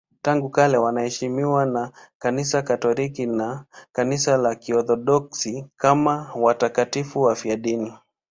Tangu kale wanaheshimiwa na Kanisa Katoliki na Kanisa la Kiorthodoksi kama watakatifu wafiadini.